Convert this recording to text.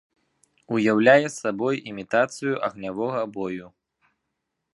Уяўляе сабой імітацыю агнявога бою.